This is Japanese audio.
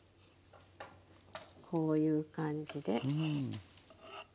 こういう感じで。